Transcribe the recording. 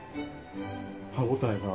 歯応えが。